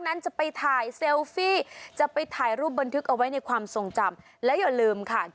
นั้นจะไปถ่ายเซลฟี่จะไปถ่ายรูปบันทึกเอาไว้ในความทรงจำและอย่าลืมค่ะ